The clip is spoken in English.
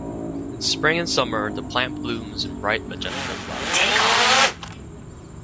In spring and summer the plant blooms in bright magenta flowers.